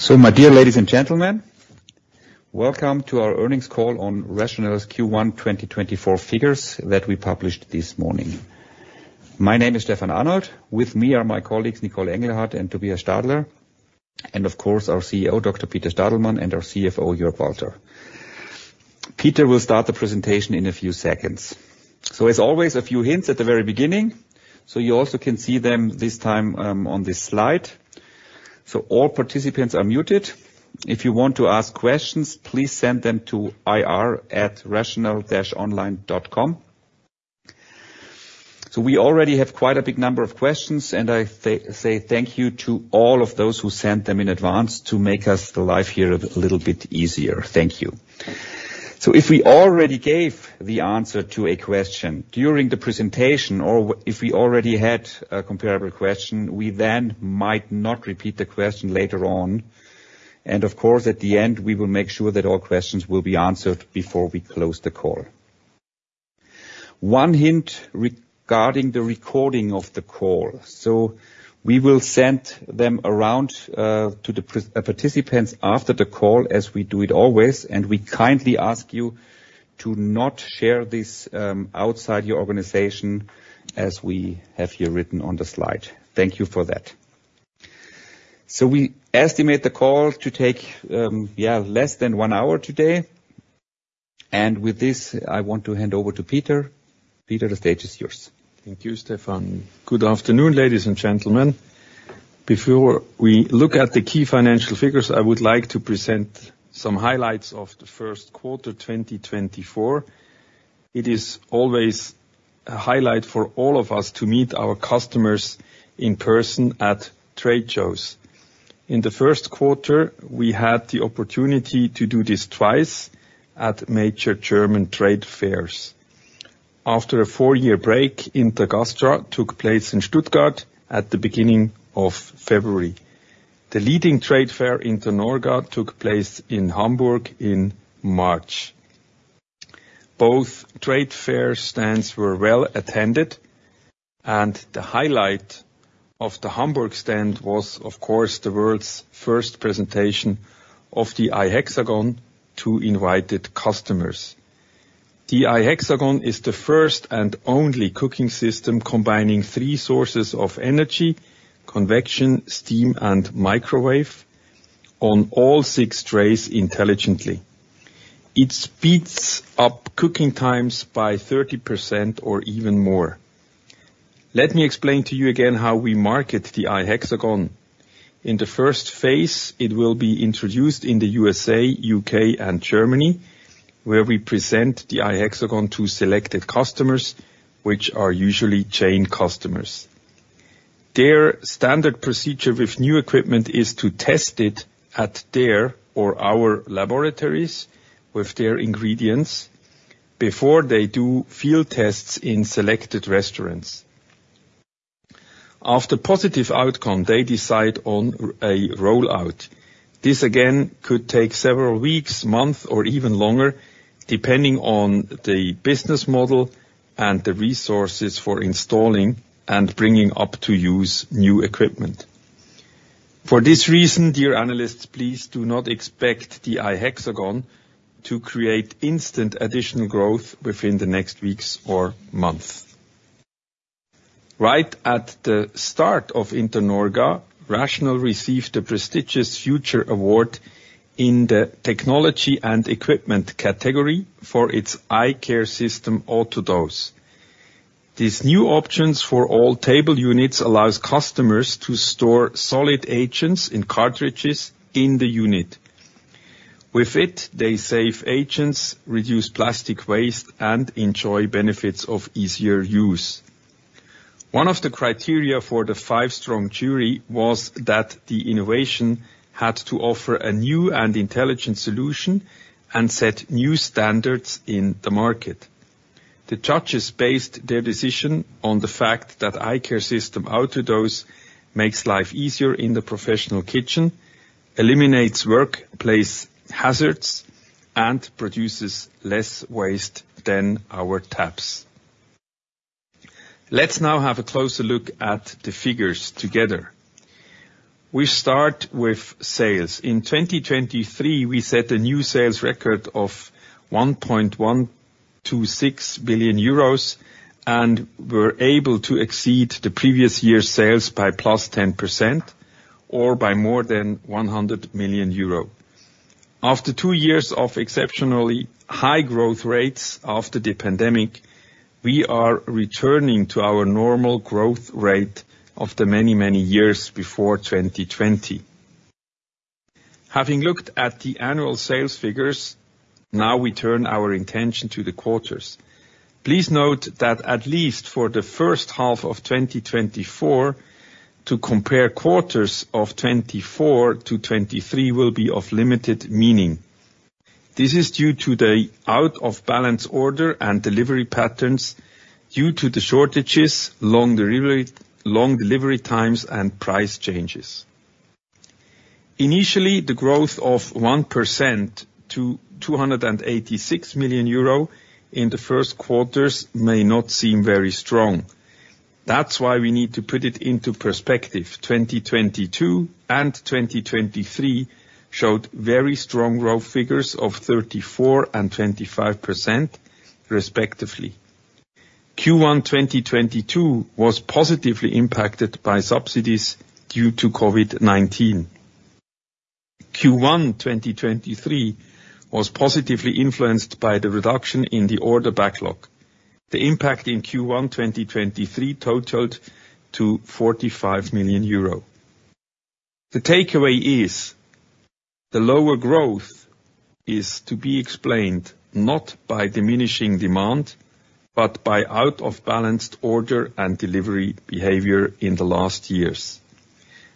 So, my dear ladies and gentlemen, welcome to our earnings call on Rational's Q1 2024 figures that we published this morning. My name is Stefan Arnold. With me are my colleagues Nicole Engelhardt and Tobias Stadler, and of course our CEO Dr. Peter Stadelmann and our CFO Jörg Walter. Peter will start the presentation in a few seconds. So, as always, a few hints at the very beginning, so you also can see them this time on this slide. So, all participants are muted. If you want to ask questions, please send them to ir@rational-online.com. So, we already have quite a big number of questions, and I say thank you to all of those who sent them in advance to make us live here a little bit easier. Thank you. So, if we already gave the answer to a question during the presentation or if we already had a comparable question, we then might not repeat the question later on. And of course, at the end, we will make sure that all questions will be answered before we close the call. One hint regarding the recording of the call. So, we will send them around to the participants after the call as we do it always, and we kindly ask you to not share this outside your organization as we have here written on the slide. Thank you for that. So, we estimate the call to take, yeah, less than one hour today. And with this, I want to hand over to Peter. Peter, the stage is yours. Thank you, Stefan. Good afternoon, ladies and gentlemen. Before we look at the key financial figures, I would like to present some highlights of the first quarter 2024. It is always a highlight for all of us to meet our customers in person at trade shows. In the first quarter, we had the opportunity to do this twice at major German trade fairs. After a four-year break, Intergastra took place in Stuttgart at the beginning of February. The leading trade fair in the Internorga took place in Hamburg in March. Both trade fair stands were well attended, and the highlight of the Hamburg stand was, of course, the world's first presentation of the iHexagon to invited customers. The iHexagon is the first and only cooking system combining three sources of energy: convection, steam, and microwave on all six trays intelligently. It speeds up cooking times by 30% or even more. Let me explain to you again how we market the iHexagon. In the first phase, it will be introduced in the U.S.A., U.K., and Germany, where we present the iHexagon to selected customers, which are usually chain customers. Their standard procedure with new equipment is to test it at their or our laboratories with their ingredients before they do field tests in selected restaurants. After positive outcome, they decide on a rollout. This, again, could take several weeks, months, or even longer depending on the business model and the resources for installing and bringing up to use new equipment. For this reason, dear analysts, please do not expect the iHexagon to create instant additional growth within the next weeks or months. Right at the start of Internorga, RATIONAL received the prestigious Future Award in the technology and equipment category for its iCareSystem AutoDose. This new option for all table units allows customers to store solid agents in cartridges in the unit. With it, they save agents, reduce plastic waste, and enjoy benefits of easier use. One of the criteria for the five-strong jury was that the innovation had to offer a new and intelligent solution and set new standards in the market. The judges based their decision on the fact that iCareSystem AutoDose makes life easier in the professional kitchen, eliminates workplace hazards, and produces less waste than our taps. Let's now have a closer look at the figures together. We start with sales. In 2023, we set a new sales record of 1.126 billion euros and were able to exceed the previous year's sales by +10% or by more than 100 million euro. After two years of exceptionally high growth rates after the pandemic, we are returning to our normal growth rate of the many, many years before 2020. Having looked at the annual sales figures, now we turn our attention to the quarters. Please note that at least for the first half of 2024, to compare quarters of 2024 to 2023 will be of limited meaning. This is due to the out-of-balance order and delivery patterns due to the shortages, long delivery times, and price changes. Initially, the growth of 1% to 286 million euro in the first quarters may not seem very strong. That's why we need to put it into perspective. 2022 and 2023 showed very strong growth figures of 34% and 25%, respectively. Q1 2022 was positively impacted by subsidies due to COVID-19. Q1 2023 was positively influenced by the reduction in the order backlog. The impact in Q1 2023 totaled to 45 million euro. The takeaway is: the lower growth is to be explained not by diminishing demand, but by out-of-balance order and delivery behavior in the last years.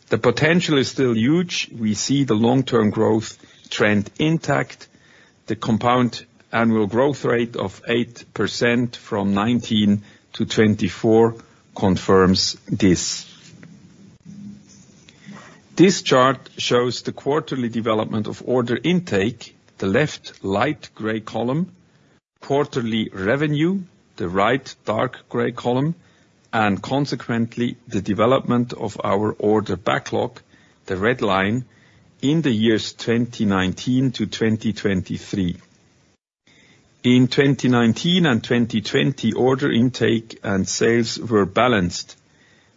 The potential is still huge. We see the long-term growth trend intact. The compound annual growth rate of 8% from 2019 to 2024 confirms this. This chart shows the quarterly development of order intake, the left light gray column, quarterly revenue, the right dark gray column, and consequently, the development of our order backlog, the red line, in the years 2019 to 2023. In 2019 and 2020, order intake and sales were balanced,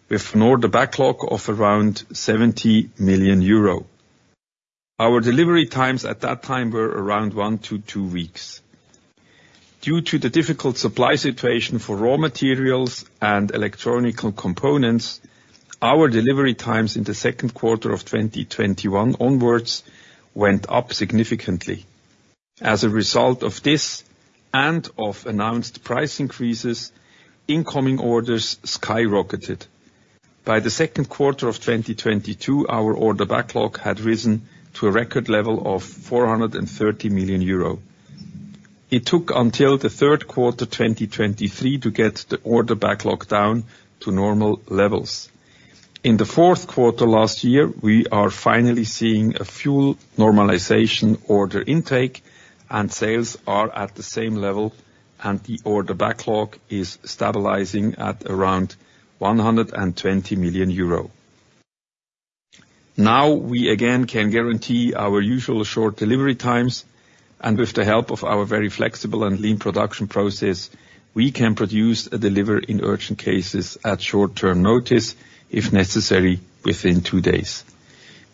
with an order backlog of around 70 million euro. Our delivery times at that time were around one to two weeks. Due to the difficult supply situation for raw materials and electronic components, our delivery times in the second quarter of 2021 onwards went up significantly. As a result of this and of announced price increases, incoming orders skyrocketed. By the second quarter of 2022, our order backlog had risen to a record level of 430 million euro. It took until the third quarter 2023 to get the order backlog down to normal levels. In the fourth quarter last year, we are finally seeing a few normalization order intake, and sales are at the same level, and the order backlog is stabilizing at around 120 million euro. Now we again can guarantee our usual short delivery times, and with the help of our very flexible and lean production process, we can produce and deliver in urgent cases at short-term notice, if necessary, within two days.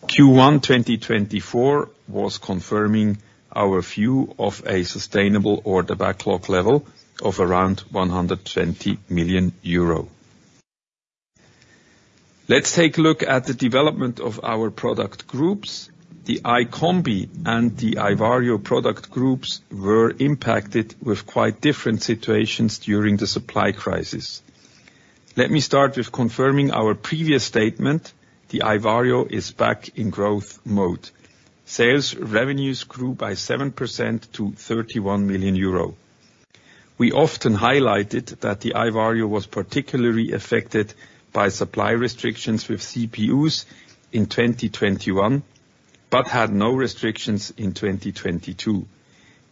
Q1 2024 was confirming our view of a sustainable order backlog level of around 120 million euro. Let's take a look at the development of our product groups. The iCombi and the iVario product groups were impacted with quite different situations during the supply crisis. Let me start with confirming our previous statement: the iVario is back in growth mode. Sales revenues grew by 7% to 31 million euro. We often highlighted that the iVario was particularly affected by supply restrictions with CPUs in 2021 but had no restrictions in 2022.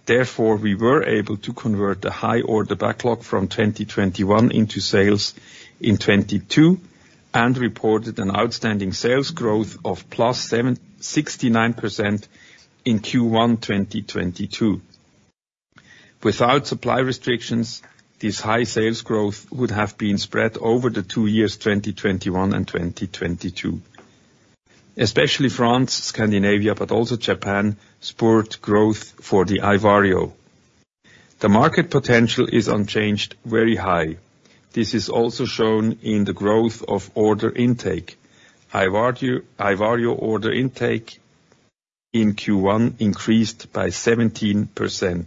Therefore, we were able to convert the high order backlog from 2021 into sales in 2022 and reported an outstanding sales growth of +69% in Q1 2022. Without supply restrictions, this high sales growth would have been spread over the two years 2021 and 2022. Especially France, Scandinavia, but also Japan spurred growth for the iVario. The market potential is unchanged, very high. This is also shown in the growth of order intake. iVario order intake in Q1 increased by 17%.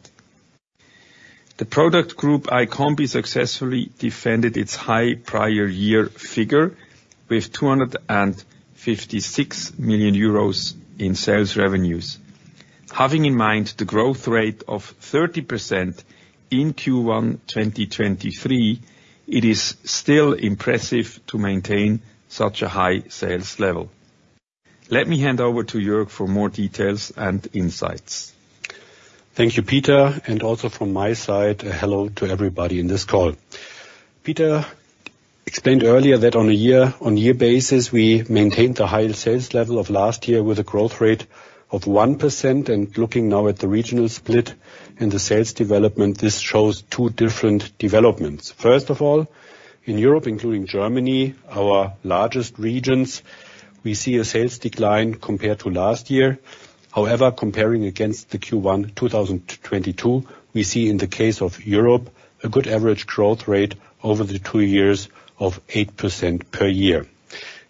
The product group iCombi successfully defended its high prior year figure with 256 million euros in sales revenues. Having in mind the growth rate of 30% in Q1 2023, it is still impressive to maintain such a high sales level. Let me hand over to Jörg for more details and insights. Thank you, Peter. Also from my side, hello to everybody in this call. Peter explained earlier that on a year-on-year basis, we maintained the high sales level of last year with a growth rate of 1%. Looking now at the regional split and the sales development, this shows two different developments. First of all, in Europe, including Germany, our largest regions, we see a sales decline compared to last year. However, comparing against the Q1 2022, we see in the case of Europe a good average growth rate over the two years of 8% per year.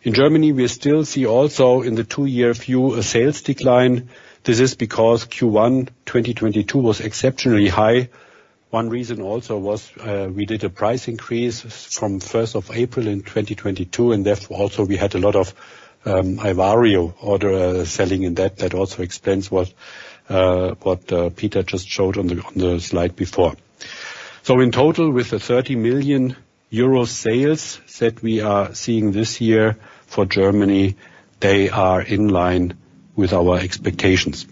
In Germany, we still see also in the two-year view a sales decline. This is because Q1 2022 was exceptionally high. One reason also was we did a price increase from 1st of April in 2022, and therefore also we had a lot of iVario order selling in that. That also explains what Peter just showed on the slide before. So in total, with the 30 million euro sales that we are seeing this year for Germany, they are in line with our expectations.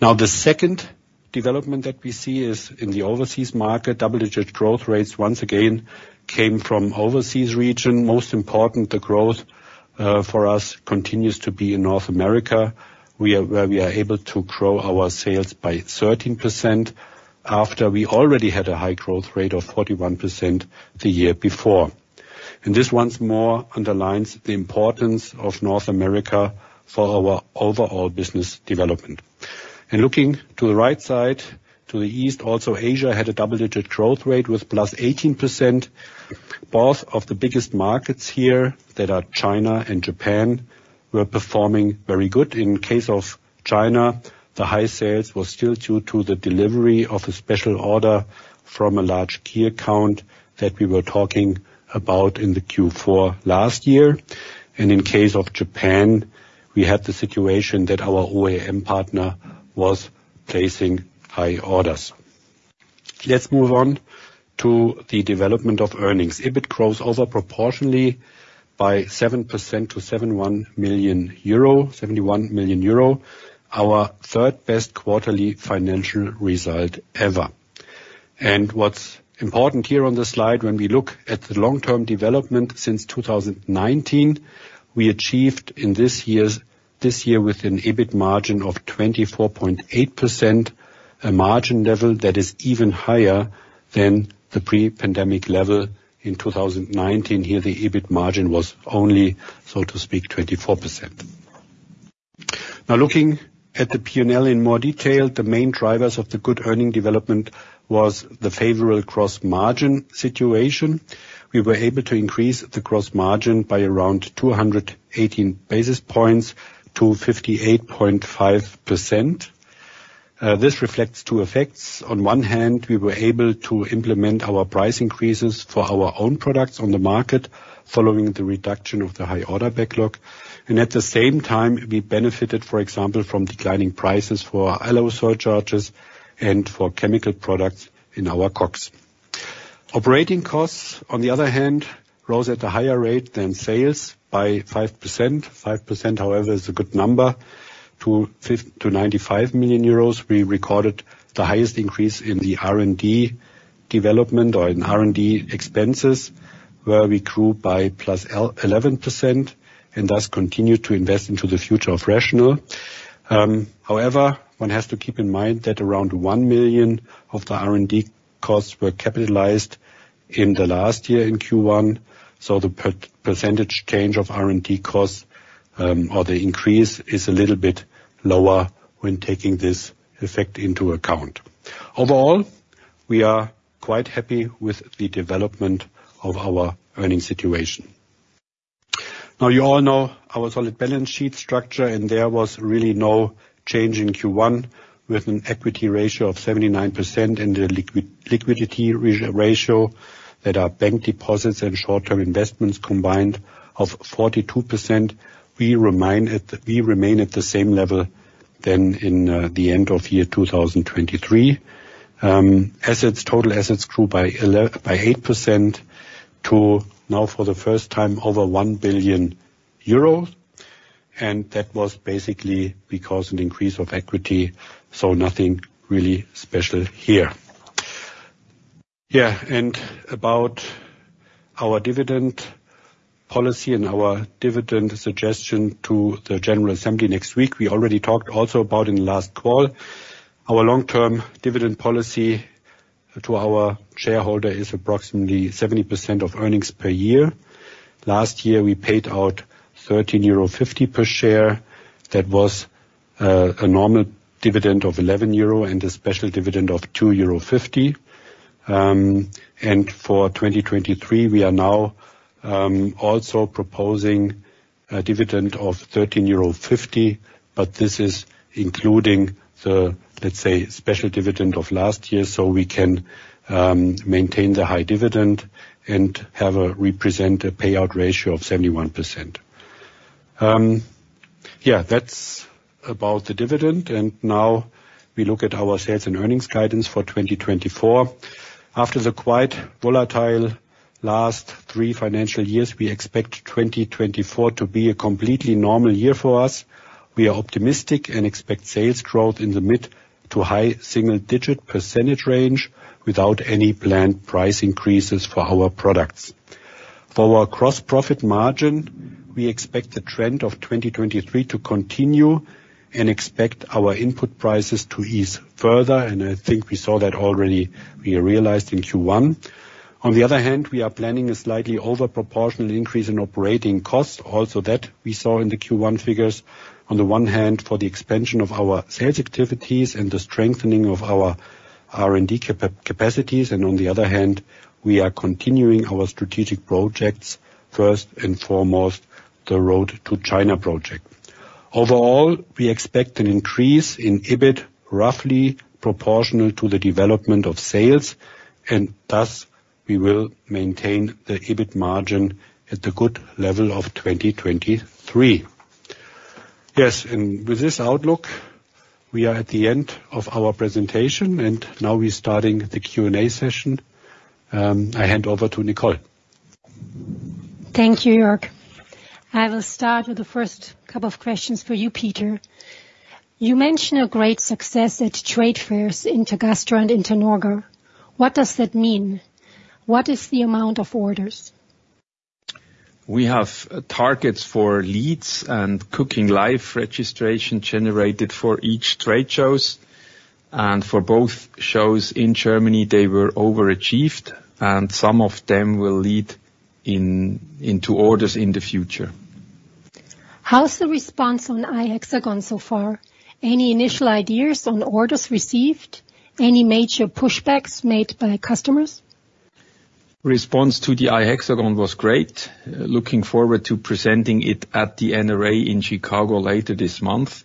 Now, the second development that we see is in the overseas market. Double-digit growth rates once again came from overseas regions. Most important, the growth for us continues to be in North America, where we are able to grow our sales by 13% after we already had a high growth rate of 41% the year before. And this once more underlines the importance of North America for our overall business development. And looking to the right side, to the east, also Asia had a double-digit growth rate with +18%. Both of the biggest markets here, that are China and Japan, were performing very good. In the case of China, the high sales were still due to the delivery of a special order from a large key account that we were talking about in the Q4 last year. And in the case of Japan, we had the situation that our OEM partner was placing high orders. Let's move on to the development of earnings. EBIT grows overproportionately by 7% to 71 million euro, our third best quarterly financial result ever. And what's important here on the slide, when we look at the long-term development since 2019, we achieved in this year with an EBIT margin of 24.8%, a margin level that is even higher than the pre-pandemic level in 2019. Here, the EBIT margin was only, so to speak, 24%. Now, looking at the P&L in more detail, the main drivers of the good earnings development were the favorable gross-margin situation. We were able to increase the gross margin by around 218 basis points to 58.5%. This reflects two effects. On one hand, we were able to implement our price increases for our own products on the market following the reduction of the high order backlog. At the same time, we benefited, for example, from declining prices for alloy surcharges and for chemical products in our COGS. Operating costs, on the other hand, rose at a higher rate than sales by 5%. 5%, however, is a good number. To 95 million euros, we recorded the highest increase in the R&D development or in R&D expenses, where we grew by +11% and thus continued to invest into the future of RATIONAL. However, one has to keep in mind that around 1 million of the R&D costs were capitalized in the last year in Q1. So the percentage change of R&D costs or the increase is a little bit lower when taking this effect into account. Overall, we are quite happy with the development of our earnings situation. Now, you all know our solid balance sheet structure, and there was really no change in Q1 with an equity ratio of 79% and a liquidity ratio that is bank deposits and short-term investments combined of 42%. We remain at the same level than in the end of year 2023. Total assets grew by 8% to now, for the first time, over 1 billion euros. And that was basically because of an increase of equity. So nothing really special here. Yeah, and about our dividend policy and our dividend suggestion to the General Assembly next week, we already talked also about in the last call. Our long-term dividend policy to our shareholder is approximately 70% of earnings per year. Last year, we paid out 13.50 euro per share. That was a normal dividend of 11 euro and a special dividend of 2.50 euro. And for 2023, we are now also proposing a dividend of 13.50 euro, but this is including the, let's say, special dividend of last year so we can maintain the high dividend and have a representative payout ratio of 71%. Yeah, that's about the dividend. And now we look at our sales and earnings guidance for 2024. After the quite volatile last three financial years, we expect 2024 to be a completely normal year for us. We are optimistic and expect sales growth in the mid- to high single-digit percentage range without any planned price increases for our products. For our gross-profit margin, we expect the trend of 2023 to continue and expect our input prices to ease further. I think we saw that already. We realized in Q1. On the other hand, we are planning a slightly overproportional increase in operating costs. Also, that we saw in the Q1 figures. On the one hand, for the expansion of our sales activities and the strengthening of our R&D capacities. On the other hand, we are continuing our strategic projects, first and foremost, the road-to-China project. Overall, we expect an increase in EBIT roughly proportional to the development of sales. Thus, we will maintain the EBIT margin at the good level of 2023. Yes, and with this outlook, we are at the end of our presentation. Now we're starting the Q&A session. I hand over to Nicole. Thank you, Jörg. I will start with the first couple of questions for you, Peter. You mentioned a great success at trade fairs Intergastra and Internorga. What does that mean? What is the amount of orders? We have targets for leads and cooking live registration generated for each trade shows. For both shows in Germany, they were overachieved. Some of them will lead into orders in the future. How's the response on iHexagon so far? Any initial ideas on orders received? Any major pushbacks made by customers? Response to the iHexagon was great. Looking forward to presenting it at the NRA in Chicago later this month.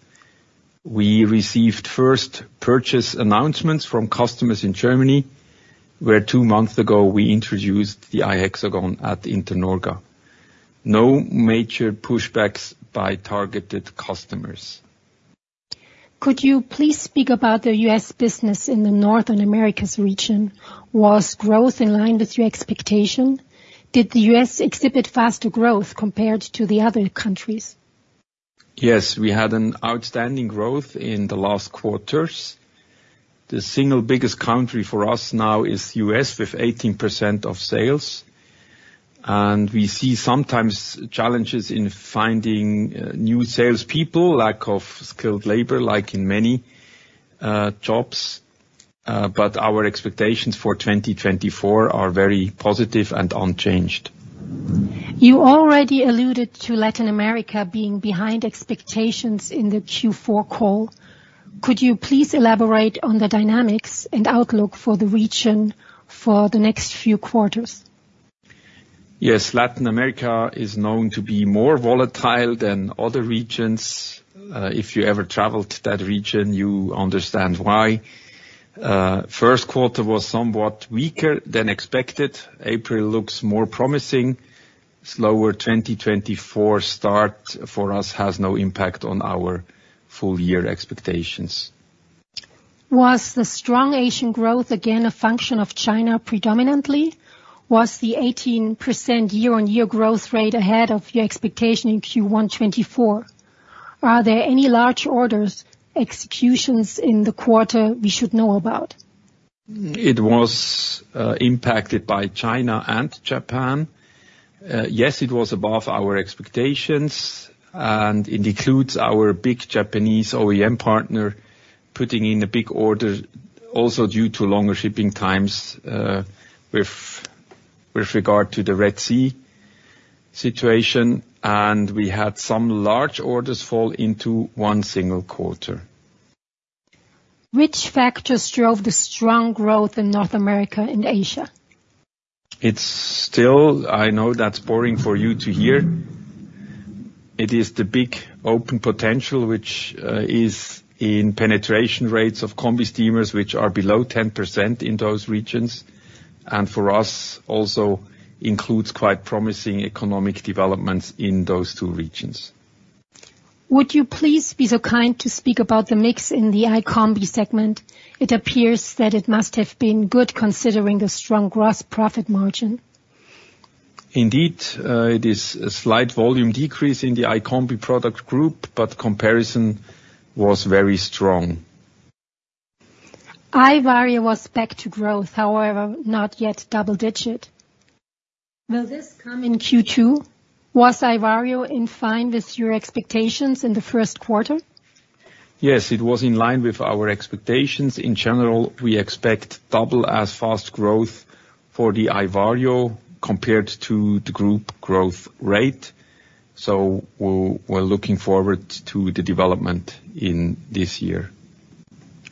We received first purchase announcements from customers in Germany, where two months ago we introduced the iHexagon at Internorga. No major pushbacks by targeted customers. Could you please speak about the U.S. business in the North America's region? Was growth in line with your expectation? Did the U.S. exhibit faster growth compared to the other countries? Yes, we had an outstanding growth in the last quarters. The single biggest country for us now is the U.S. with 18% of sales. We see sometimes challenges in finding new salespeople, lack of skilled labor, like in many jobs. But our expectations for 2024 are very positive and unchanged. You already alluded to Latin America being behind expectations in the Q4 call. Could you please elaborate on the dynamics and outlook for the region for the next few quarters? Yes, Latin America is known to be more volatile than other regions. If you ever traveled to that region, you understand why. First quarter was somewhat weaker than expected. April looks more promising. Slower 2024 start for us has no impact on our full-year expectations. Was the strong Asian growth again a function of China predominantly? Was the 18% year-over-year growth rate ahead of your expectation in Q1 2024? Are there any large orders executions in the quarter we should know about? It was impacted by China and Japan. Yes, it was above our expectations. And it includes our big Japanese OEM partner putting in a big order also due to longer shipping times with regard to the Red Sea situation. And we had some large orders fall into one single quarter. Which factors drove the strong growth in North America and Asia? It's still, I know, that's boring for you to hear. It is the big open potential, which is in penetration rates of combi steamers, which are below 10% in those regions. And for us, also includes quite promising economic developments in those two regions. Would you please be so kind to speak about the mix in the iCombi segment? It appears that it must have been good considering the strong gross profit margin. Indeed, it is a slight volume decrease in the iCombi product group, but comparison was very strong. iVario was back to growth, however, not yet double-digit. Will this come in Q2? Was iVario in line with your expectations in the first quarter? Yes, it was in line with our expectations. In general, we expect double as fast growth for the iVario compared to the group growth rate. So we're looking forward to the development in this year.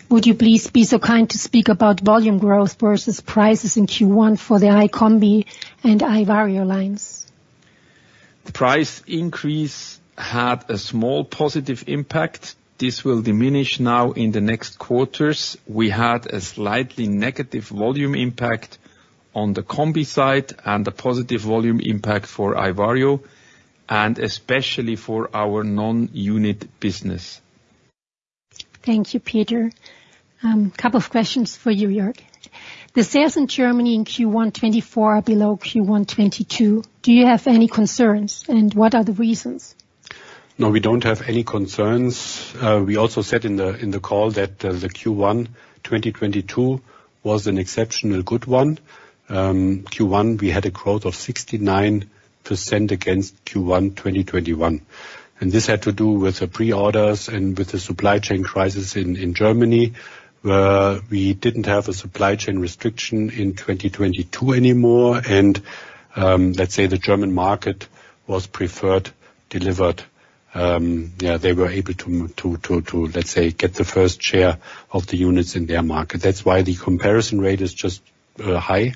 Would you please be so kind to speak about volume growth versus prices in Q1 for the iCombi and iVario lines? The price increase had a small positive impact. This will diminish now in the next quarters. We had a slightly negative volume impact on the combi side and a positive volume impact for iVario, and especially for our non-unit business. Thank you, Peter. Couple of questions for you, Jörg. The sales in Germany in Q1 2024 are below Q1 2022. Do you have any concerns? And what are the reasons? No, we don't have any concerns. We also said in the call that the Q1 2022 was an exceptionally good one. Q1, we had a growth of 69% against Q1 2021. This had to do with the pre-orders and with the supply chain crisis in Germany, where we didn't have a supply chain restriction in 2022 anymore. Let's say the German market was preferred delivered. They were able to, let's say, get the first share of the units in their market. That's why the comparison rate is just high.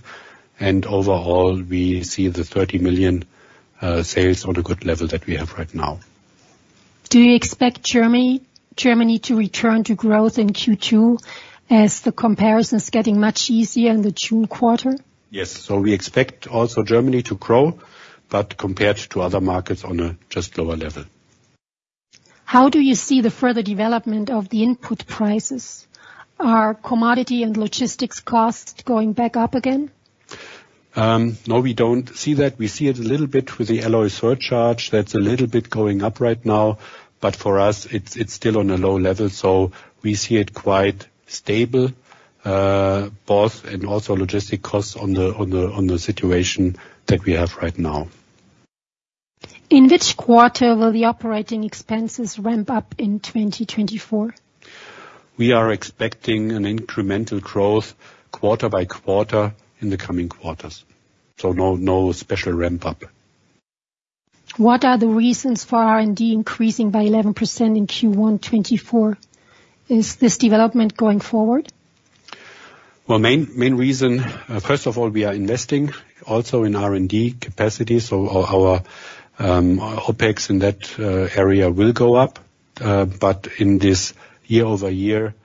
Overall, we see the 30 million sales on a good level that we have right now. Do you expect Germany to return to growth in Q2 as the comparison is getting much easier in the June quarter? Yes. We expect also Germany to grow, but compared to other markets on a just lower level. How do you see the further development of the input prices? Are commodity and logistics costs going back up again? No, we don't see that. We see it a little bit with the alloy surcharge. That's a little bit going up right now. But for us, it's still on a low level. So we see it quite stable, both, and also logistics costs in the situation that we have right now. In which quarter will the operating expenses ramp up in 2024? We are expecting an incremental growth quarter by quarter in the coming quarters. So no special ramp-up. What are the reasons for R&D increasing by 11% in Q1 2024? Is this development going forward? Well, main reason first of all, we are investing also in R&D capacity. So our OPEX in that area will go up. But in this year-over-year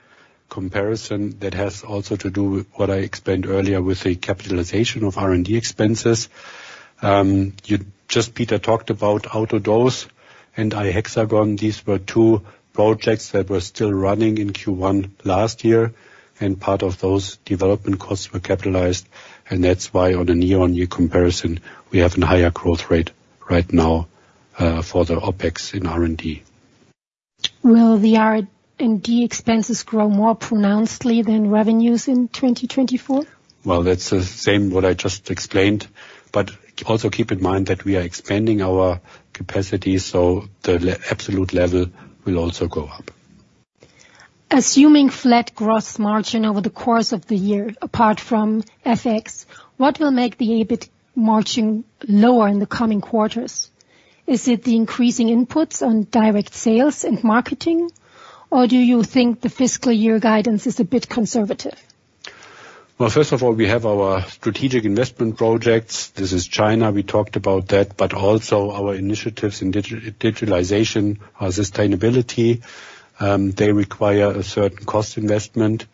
comparison, that has also to do with what I explained earlier with the capitalization of R&D expenses. Just Peter talked about AutoDose and iHexagon. These were two projects that were still running in Q1 last year. And part of those development costs were capitalized. And that's why on a year-over-year comparison, we have a higher growth rate right now for the OPEX in R&D. Will the R&D expenses grow more pronouncedly than revenues in 2024? Well, that's the same what I just explained. But also keep in mind that we are expanding our capacity. So the absolute level will also go up. Assuming flat gross margin over the course of the year apart from FX, what will make the EBIT margin lower in the coming quarters? Is it the increasing inputs on direct sales and marketing? Or do you think the fiscal year guidance is a bit conservative? Well, first of all, we have our strategic investment projects. This is China. We talked about that. But also our initiatives in digitalization, our sustainability, they require a certain cost investment.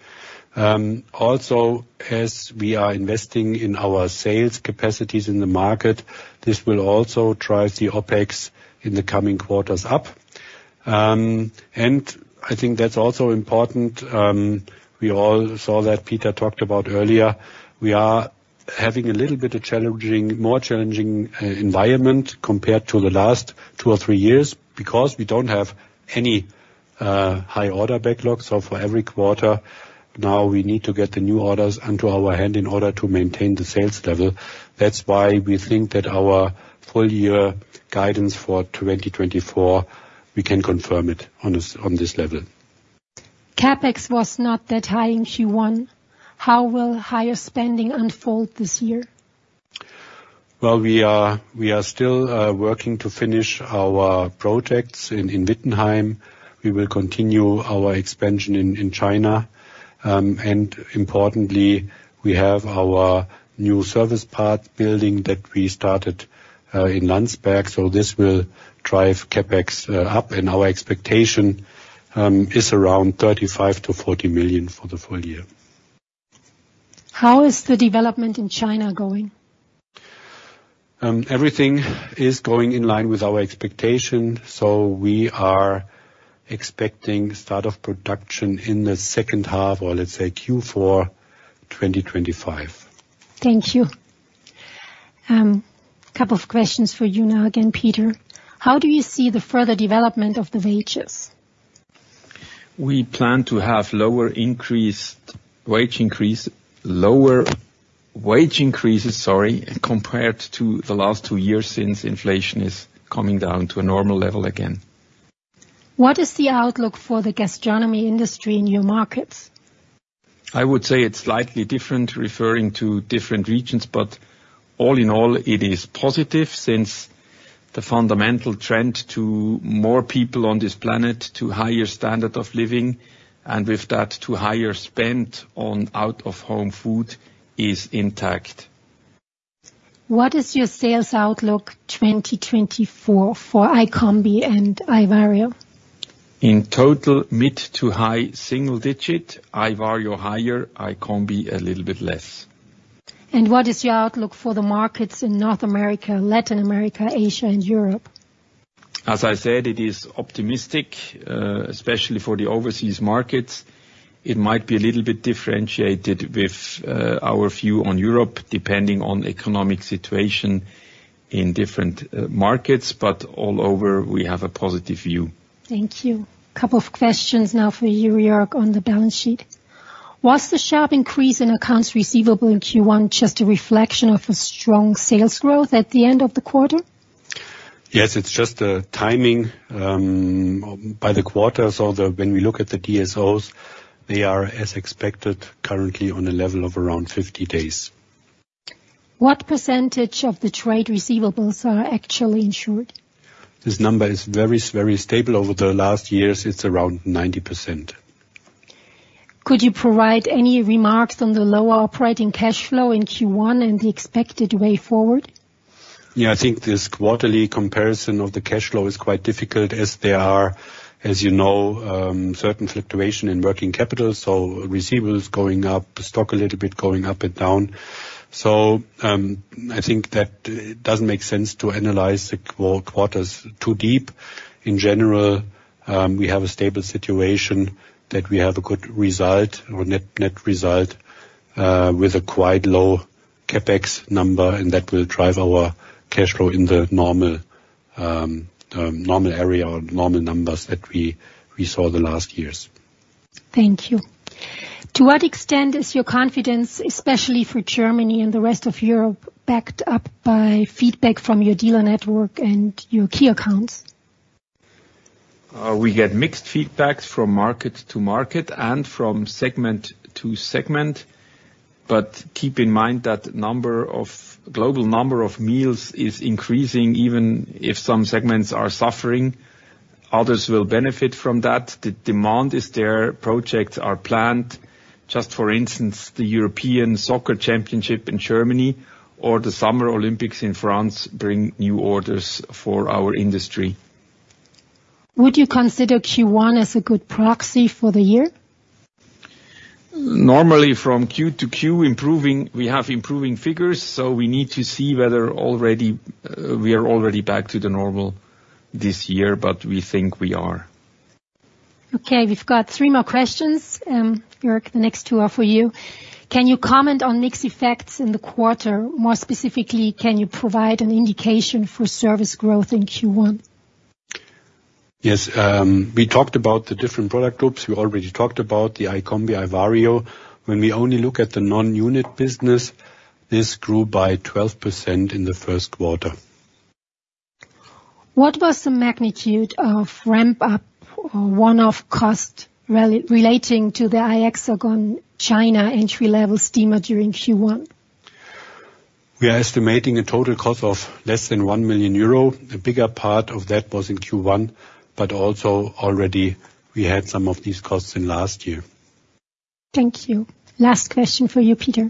Also, as we are investing in our sales capacities in the market, this will also drive the OPEX in the coming quarters up. And I think that's also important. We all saw that Peter talked about earlier. We are having a little bit of more challenging environment compared to the last two or three years because we don't have any high order backlog. So for every quarter, now we need to get the new orders into our hand in order to maintain the sales level. That's why we think that our full-year guidance for 2024, we can confirm it on this level. CapEx was not that high in Q1. How will higher spending unfold this year? Well, we are still working to finish our projects in Wittenheim. We will continue our expansion in China. Importantly, we have our new service part building that we started in Landsberg. This will drive CapEx up. Our expectation is around 35 million-40 million for the full year. How is the development in China going? Everything is going in line with our expectation. We are expecting start of production in the second half or, let's say, Q4 2025. Thank you. Couple of questions for you now again, Peter. How do you see the further development of the wages? We plan to have lower wage increases compared to the last two years since inflation is coming down to a normal level again. What is the outlook for the gastronomy industry in your markets? I would say it's slightly different referring to different regions. But all in all, it is positive since the fundamental trend to more people on this planet, to higher standard of living, and with that, to higher spend on out-of-home food is intact. What is your sales outlook 2024 for iCombi and iVario? In total, mid- to high single-digit. iVario higher, iCombi a little bit less. What is your outlook for the markets in North America, Latin America, Asia, and Europe? As I said, it is optimistic, especially for the overseas markets. It might be a little bit differentiated with our view on Europe depending on economic situation in different markets. But all over, we have a positive view. Thank you. Couple of questions now for you, Jörg, on the balance sheet. Was the sharp increase in accounts receivable in Q1 just a reflection of a strong sales growth at the end of the quarter? Yes, it's just the timing by the quarter. So when we look at the DSOs, they are as expected currently on a level of around 50 days. What percentage of the trade receivables are actually insured? This number is very, very stable. Over the last years, it's around 90%. Could you provide any remarks on the lower operating cash flow in Q1 and the expected way forward? Yeah, I think this quarterly comparison of the cash flow is quite difficult as there are, as you know, certain fluctuation in working capital. So receivables going up, stock a little bit going up and down. So I think that it doesn't make sense to analyze the quarters too deep. In general, we have a stable situation that we have a good result or net result with a quite low CapEx number. And that will drive our cash flow in the normal area or normal numbers that we saw the last years. Thank you. To what extent is your confidence, especially for Germany and the rest of Europe, backed up by feedback from your dealer network and your key accounts? We get mixed feedback from market to market and from segment to segment. But keep in mind that global number of meals is increasing. Even if some segments are suffering, others will benefit from that. The demand is there. Projects are planned. Just for instance, the European Soccer Championship in Germany or the Summer Olympics in France bring new orders for our industry. Would you consider Q1 as a good proxy for the year? Normally, from Q to Q, we have improving figures. So we need to see whether we are already back to the normal this year. But we think we are. Okay. We've got three more questions, Jörg. The next two are for you. Can you comment on mixed effects in the quarter? More specifically, can you provide an indication for service growth in Q1? Yes. We talked about the different product groups. We already talked about the iCombi, iVario. When we only look at the non-unit business, this grew by 12% in the first quarter. What was the magnitude of ramp-up or one-off cost relating to the iHexagon China entry-level steamer during Q1? We are estimating a total cost of less than 1 million euro. A bigger part of that was in Q1. But also already, we had some of these costs in last year. Thank you. Last question for you, Peter.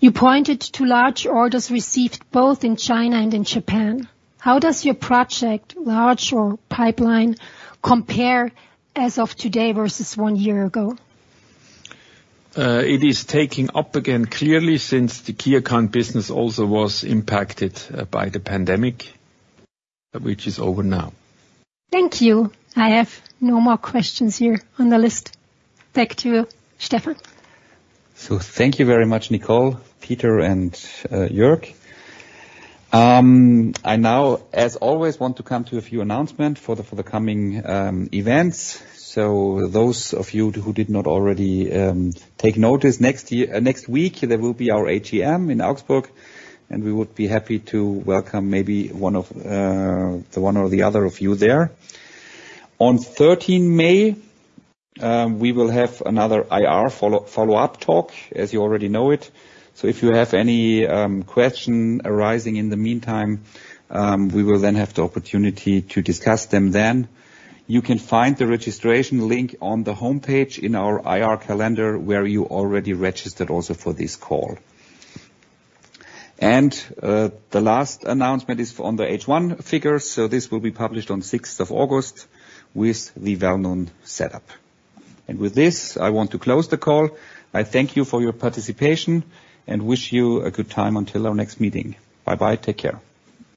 You pointed to large orders received both in China and in Japan. How does your project, large or pipeline, compare as of today versus one year ago? It is taking up again clearly since the key account business also was impacted by the pandemic, which is over now. Thank you. I have no more questions here on the list. Back to you, Stefan. So thank you very much, Nicole, Peter, and Jörg. I now, as always, want to come to a few announcements for the coming events. Those of you who did not already take notice, next week, there will be our AGM in Augsburg. We would be happy to welcome maybe one of the one or the other of you there. On 13 May, we will have another IR follow-up talk, as you already know it. If you have any question arising in the meantime, we will then have the opportunity to discuss them then. You can find the registration link on the homepage in our IR calendar where you already registered also for this call. The last announcement is on the H1 figures. This will be published on 6th of August with the well-known setup. With this, I want to close the call. I thank you for your participation and wish you a good time until our next meeting. Bye-bye. Take care.